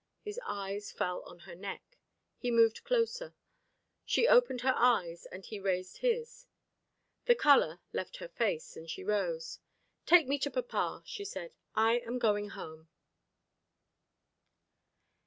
His eyes fell on her neck. He moved closer. She opened her eyes, and he raised his. The colour left her face, and she rose. "Take me to papa," she said; "I am going home."